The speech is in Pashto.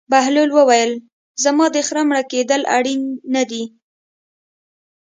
بهلول وویل: زما د خر مړه کېدل اړین نه دي.